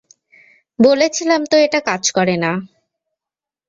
বলেছিলাম তো এটা কাজ করে না!